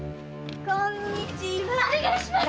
〔お願いします！〕